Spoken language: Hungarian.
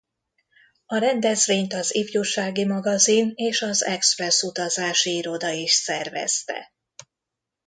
A rendezvényt az Ifjúsági Magazin és az Express utazási iroda is szervezte.